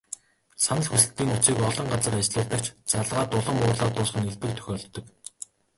Санал хүсэлтийн утсыг олон газар ажиллуулдаг ч, залгаад улам уурлаад дуусах нь элбэг тохиолддог.